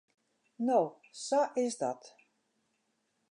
No, sa is dat.